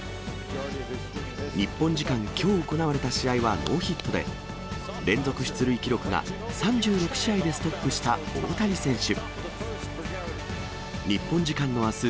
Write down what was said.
日本時間きょう行われた試合はノーヒットで、連続出塁記録が３６試合でストップした大谷選手。